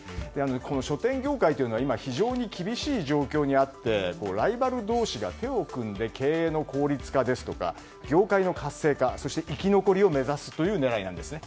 書店業界は今非常に厳しい状況にあってライバル同士が手を組んで経営の効率化や業界の活性化そして生き残りを目指す狙いなんですね。